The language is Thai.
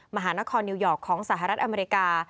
มหานครนิวยอร์กของสหรัฐอเมริกา